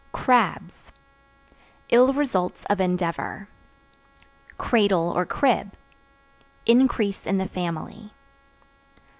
Crabs Ill results of endeavor. Cradle, or Crib Increase in the family.